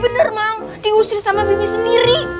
bener mang diusir sama bibi sendiri